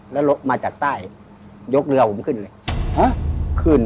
แล้วรถมาจากใต้ยกเรือผมขึ้นเลย